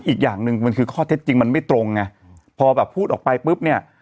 อีกอย่างหนึ่งมันคือข้อเท็จจริงมันไม่ตรงไงพอแบบพูดออกไปปุ๊บเนี่ย